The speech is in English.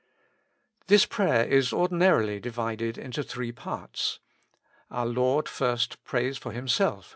This prayer is ordinarily divided into three parts. Our Lord first prays for Himself (v.